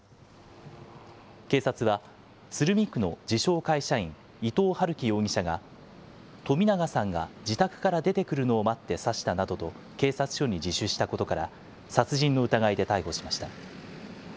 警察は鶴見区の自称、会社員、伊藤龍稀容疑者が冨永さんが自宅から出てくるのを待って刺したなどと警察署に自首したことから、殺人の疑いで逮捕しました。